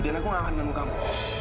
dan aku gak akan ganggu kamu